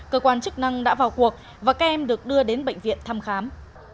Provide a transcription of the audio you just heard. cơ quan chức năng đã vào cuộc và kem được đưa đến bệnh viện thăm khám